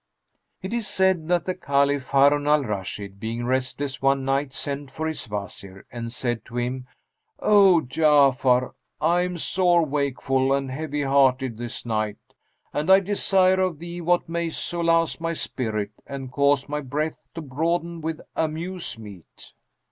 It is said that the Caliph Harun al Rashid, being restless one night, sent for his Wazir and said to him, "O Ja'afar, I am sore wakeful and heavy hearted this night, and I desire of thee what may solace my spirit and cause my breast to broaden with amuse meet."